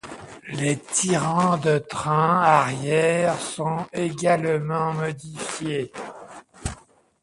Les tirants de train arrière sont également modifiés.